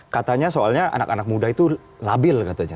katanya soalnya anak anak muda itu labil katanya